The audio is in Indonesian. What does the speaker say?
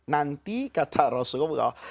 nanti kata rasulullah